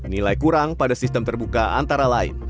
nilai kurang pada sistem terbuka antara lain